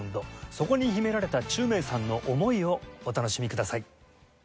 そこに秘められた宙明さんの思いをお楽しみください。